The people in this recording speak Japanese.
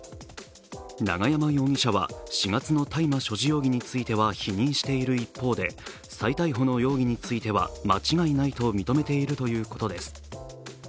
永山容疑者は４月の大麻所持容疑については否認している一方で再逮捕の容疑については、間違いないと認めているということです。